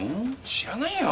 知らないよ！